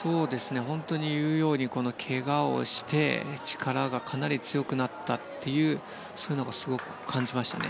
本当に言うようにけがをして力がかなり強くなったというのがすごく感じましたね。